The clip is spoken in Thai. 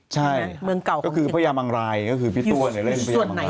ใช่ก็คือพระยามังรายคือพี่ตัวเหน่เล่นพระยามังรายไหม